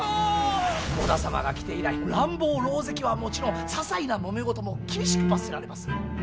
織田様が来て以来乱暴狼藉はもちろんささいなもめ事も厳しく罰せられます。